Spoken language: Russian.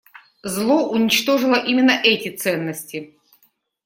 Зло уничтожило именно эти ценности.